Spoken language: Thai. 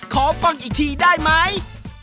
ขอฟังอีกทีได้ไหม